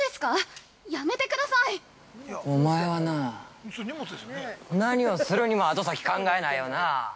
おまえはな、何をするにも後先考えないよな。